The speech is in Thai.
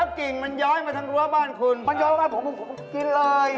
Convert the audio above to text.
ผมเรียนกฎหมายผมสามารถว่าความได้ยั่งมะม่วงต้นอยู่ในรั้วบ้านเขาใช่ครับ